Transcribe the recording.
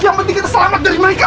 yang penting kita selamat dari mereka